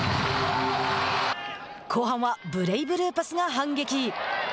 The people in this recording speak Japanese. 後半はブレイブルーパスが反撃。